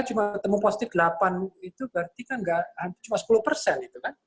tujuh puluh tiga cuma ketemu positif delapan itu berarti kan cuma sepuluh persen